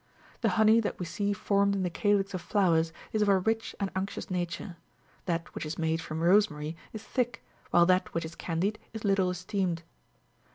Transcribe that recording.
The honey that we see formed in the calix of flowers is of a rich and unctuous nature ; that which is made from rosemary is thick, while that which is candied is little esteemed.